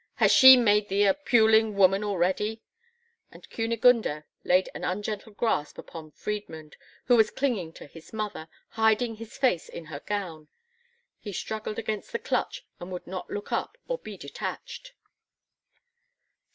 Has she made thee a puling woman already?" And Kunigunde laid an ungentle grasp upon Friedmund, who was clinging to his mother, hiding his face in her gown. He struggled against the clutch, and would not look up or be detached.